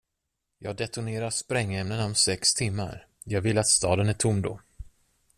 Jag detonerar sprängämnena om sex timmar, jag vill att staden är tom då.